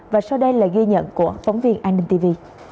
và sau đây là ghi nhận của phóng viên an ninh tv